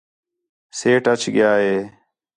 سیٹھ اَچ ڳِیا ہِے